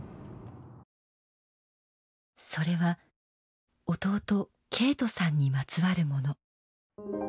それは弟景都さんにまつわるもの。